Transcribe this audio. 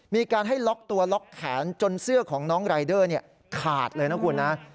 มีการให้ล็อกตัวล็อกแขนจนเสื้อของน้องรายเดอร์ขาดเลยนะคุณนะ